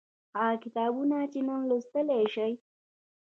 هغه کتابونه چې نن لوستلای شئ